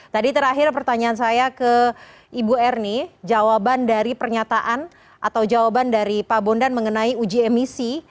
tadi terakhir pertanyaan saya ke ibu ernie jawaban dari pernyataan atau jawaban dari pak bondan mengenai uji emisi